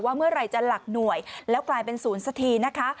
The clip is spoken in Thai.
เมื่อไหร่จะหลักหน่วยแล้วกลายเป็นศูนย์สักทีนะคะ